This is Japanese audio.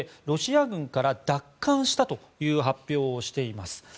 ロシア軍から奪還したという発表をしています。